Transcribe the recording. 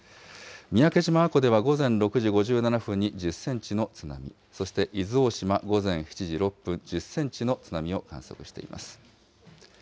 三宅島阿古では午前６時５７分に１０センチの津波、そして伊豆大島、午前７時６分、１０センチの津波を観測しています。